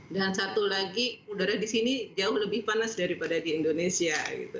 dan satu lagi udara di sini jauh lebih panas daripada di indonesia